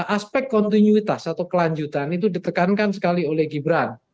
aspek kontinuitas atau kelanjutan itu ditekankan sekali oleh gibran